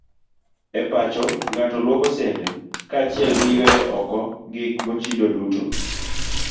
E pacho, ng'ato luoko sende kaachiel gi yweyo oko gik mochido duto.